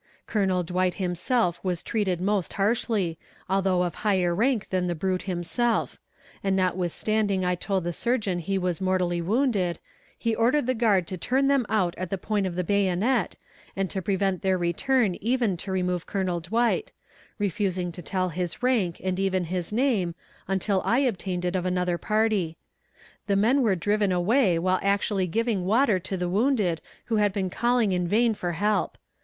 Colonel Dwight himself was treated most harshly, although of higher rank than the brute himself; and notwithstanding I told the surgeon he was mortally wounded, he ordered the guard to turn them out at the point of the bayonet, and to prevent their return even to remove Colonel Dwight; refusing to tell his rank and even his name, until I obtained it of another party. The men were driven away while actually giving water to the wounded who had been calling in vain for help.